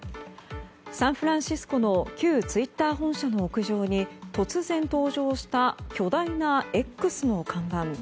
サンフランシスコの旧ツイッター本社の屋上に突然登場した巨大な「Ｘ」の看板。